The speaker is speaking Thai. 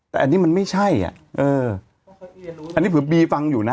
แต่อันนี้มันไม่ใช่อ่ะเอออันนี้เผื่อบีฟังอยู่นะ